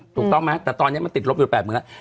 ถูกต้องไหมแต่ตอนนี้มันติดลบอยู่๘๐๐๐แล้ว